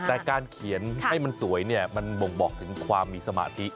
แต่การเขียนให้มันสวยเนี่ยมันบ่งบอกถึงความมีสมาธิ